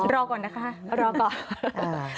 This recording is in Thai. รอก่อนนะคะรอก่อน